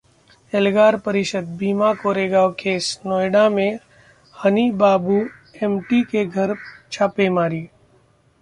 एल्गार परिषद-भीमा कोरेगांव केस: नोएडा में हनी बाबू एमटी के घर छापेमारी